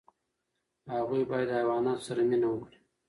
هغوی باید د حیواناتو سره مینه وکړي.